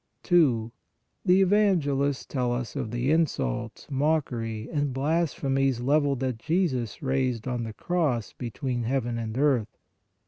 2. The evangelists tell us of the insults, mockery and blasphemies leveled at Jesus raised on the cross between heaven and earth.